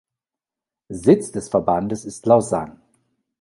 Sitz des Verbandes ist Lausanne.